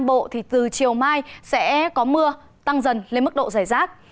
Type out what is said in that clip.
nam bộ thì từ chiều mai sẽ có mưa tăng dần lên mức độ giải rác